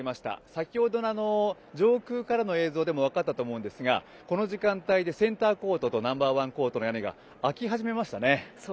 先程の上空からの映像でも分かったと思いますがこの時間帯、センターコートとナンバー１コートの屋根が開き始めましたね。